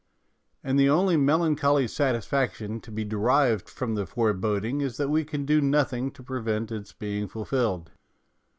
And the only melancholy satisfaction to be derived from the foreboding is that we can do nothing to prevent its being fulfilled.